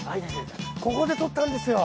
ここで撮ったんですよ。